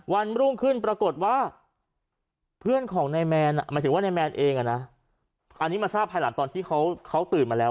วันรุ่งขึ้นปรากฏว่าเพื่อนของนายแมนหมายถึงว่านายแมนเองอันนี้มาทราบภายหลังตอนที่เขาตื่นมาแล้ว